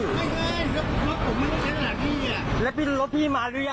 ด้วยก็ใช่แต่ว่าคุณน่าสนิทอยากไปตรงนี่บ้างคะ